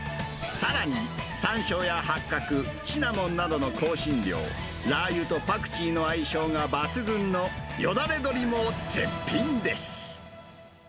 さらに、さんしょうや八角、シナモンなどの香辛料、ラー油とパクチーの相性が抜群のよだれ鶏も絶品です。